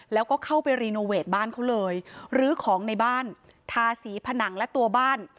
แล้วก็เข้าไปรีโนเวทบ้านเขาเลยลื้อของในบ้านทาสีผนังและตัวบ้าน